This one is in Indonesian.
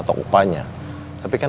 tapi kebunnya saya tidak tahu